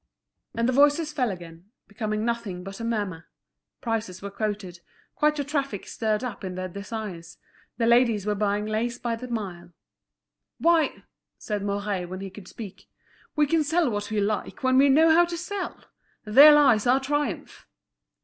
And the voices fell again, becoming nothing but a murmur. Prices were quoted, quite a traffic stirred up their desires, the ladies were buying lace by the mile. "Why!" said Mouret, when he could speak, "we can sell what we like when we know how to sell! There lies our triumph."